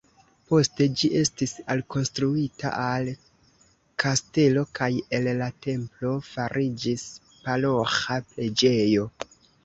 Poste ĝi estis alkonstruita al kastelo kaj el la templo fariĝis paroĥa preĝejo.